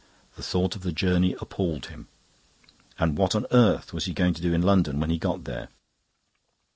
The thought of the journey appalled him. And what on earth was he going to do in London when he got there?